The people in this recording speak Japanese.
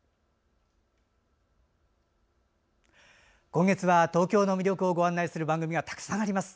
今月は東京の魅力をご紹介する番組がたくさんあります。